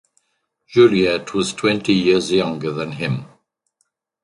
Juliette was twenty years younger than him.